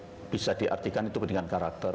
itu bisa diartikan itu pendidikan karakter